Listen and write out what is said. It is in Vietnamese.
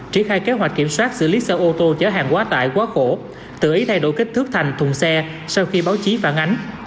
triển khai kế hoạch kiểm soát xử lý xe ô tô chở hàng quá tải quá khổ tự ý thay đổi kích thước thành thùng xe sau khi báo chí phản ánh